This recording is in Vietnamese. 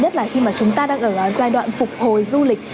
nhất là khi mà chúng ta đang ở giai đoạn phục hồi du lịch